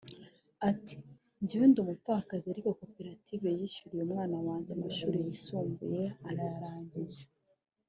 Ati “ Njyewe ndi umupfakazi ariko koperative yishyuriye umwana wanjye amashuri yisumbuye arayarangiza